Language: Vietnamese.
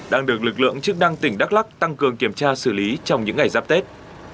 đang được lực lượng chức năng tỉnh đắk lắc tăng cường kiểm tra xử lý trong những ngày giáp tết